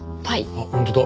あっ本当だ。